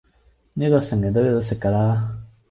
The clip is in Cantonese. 哩個成日都有得食嫁啦